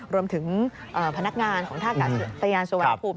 รวมถึงพนักงานของท่ากาศยานสุวรรณภูมิ